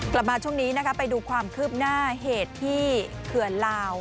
กลับมาช่วงนี้นะคะไปดูความคืบหน้าเหตุที่เขื่อนลาว